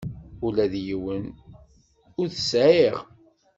Ula d yiwen ur t-sɛiɣ.